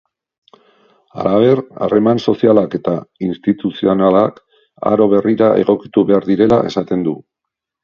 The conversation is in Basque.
Halaber, harreman sozialak eta instituzionalak aro berrira egokitu behar direla esaten du.